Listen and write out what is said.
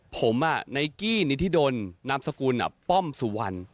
ผมไนกี้นิธิดลนามสกุลป้อมสุวรรณ